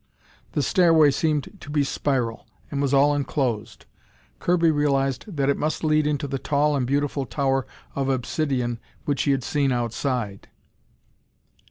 The stairway seemed to be spiral, and was all enclosed. Kirby realized that it must lead into the tall and beautiful tower of obsidion which he had seen outside.